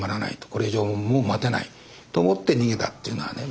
これ以上もう待てないと思って逃げたっていうのはね